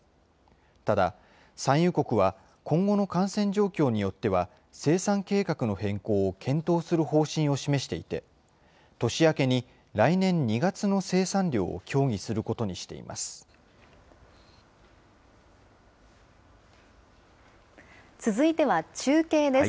ただ、産油国は、今後の感染状況によっては、生産計画の変更を検討する方針を示していて、年明けに来年２月の生産量を協議することにしています。